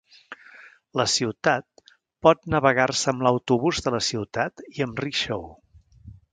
La ciutat pot navegar-se amb l'autobús de la ciutat i amb rickshaw.